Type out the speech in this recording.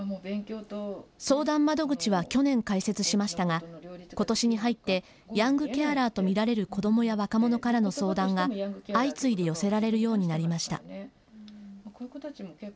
相談窓口は去年、開設しましたがことしに入ってヤングケアラーと見られる子どもや若者からの相談が相次いで寄せられるようになりました。